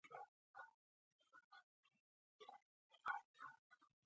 ازادي راډیو د د ځنګلونو پرېکول په اړه د کارګرانو تجربې بیان کړي.